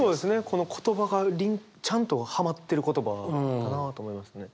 この言葉がちゃんとはまってる言葉だなと思いますね。